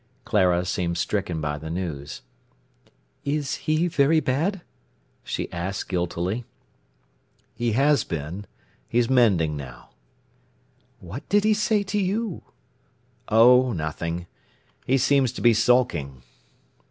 Clara seemed stricken by the news. "Is he very bad?" she asked guiltily. "He has been. He's mending now." "What did he say to you?" "Oh, nothing! He seems to be sulking."